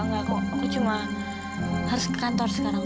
enggak kok aku cuma harus ke kantor sekarang